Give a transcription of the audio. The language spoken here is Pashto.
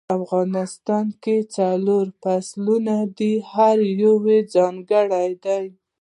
افغانستان کې څلور فصلونه دي او هر یو ځانګړی ده